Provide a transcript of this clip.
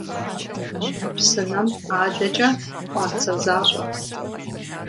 Псынэм адэкӀэ къуацэ защӀэт.